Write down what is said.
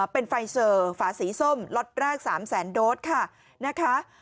เป็นไฟเซอร์ฝาสีส้มล็อตแรก๓แสนโดสค่ะนะคะ